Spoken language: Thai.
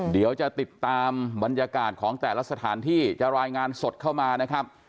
เดี๋ยวจะติดตามบรรยากาศของแต่ละสถานที่จะรายงานสดเข้ามานะครับ